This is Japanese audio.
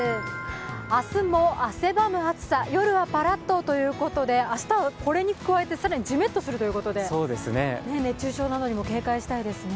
明日も汗ばむ暑さ、夜はパラッとということで、明日はこれに加えて更にジメッとするということで熱中症などにも警戒したいですね。